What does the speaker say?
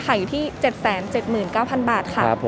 อยู่ที่๗๗๙๐๐บาทค่ะ